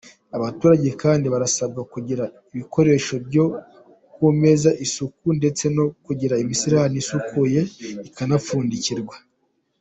Abaturage kandi barasabwa kugirira ibikoresho byo kumeza isuku ndetse no kugira imisirani isukuye ikanapfundikirwa.